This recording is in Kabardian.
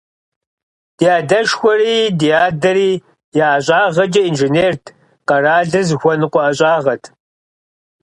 Ди адэшхуэри, ди адэри я ӀэщӀагъэкӀэ инженерт, къэралыр зыхуэныкъуэ ӀэщӀагъэт.